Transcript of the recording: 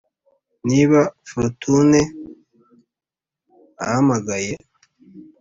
niba fortune ahamagaye,